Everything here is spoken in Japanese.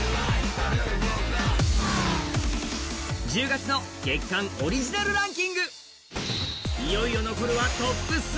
１０月の月間オリジナルランキング、いよいよ残るはトップ３。